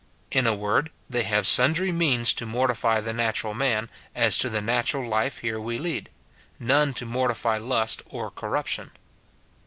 In a word, they have sundry means to mortify the natural man, as to the natural life here we lead ; none to mortify lust or corruption.